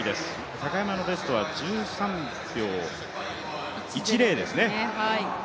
高山のベストは１３秒１０ですね。